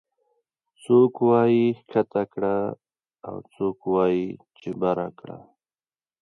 څوک وايي ښکته کړه او څوک وايي چې بره کړه